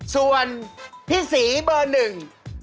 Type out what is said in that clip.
ส่วนพี่ศรีเบอร์หนึ่ง